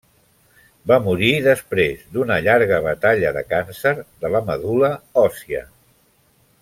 Va morir a després d'una llarga batalla de càncer de la medul·la òssia.